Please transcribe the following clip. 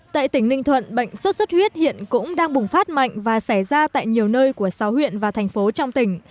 tại tỉnh ninh thuận bệnh sốt xuất huyết hiện cũng đang bùng phát mạnh và xảy ra tại nhiều nơi của sáu huyện và thành phố trong tỉnh